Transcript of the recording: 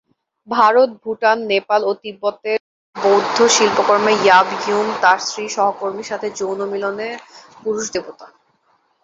ভারত, ভুটান, নেপাল ও তিব্বতের বৌদ্ধ শিল্পকর্মে ইয়াব-ইয়ুম তার স্ত্রী সহকর্মীর সাথে যৌন মিলনে পুরুষ দেবতা।